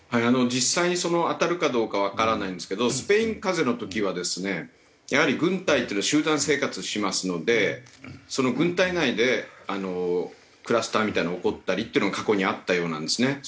実際に当たるかどうかわからないんですけどスペイン風邪の時はですねやはり軍隊っていうのは集団生活をしますのでその軍隊内でクラスターみたいなのが起こったりっていうのが過去にあったようなんですね。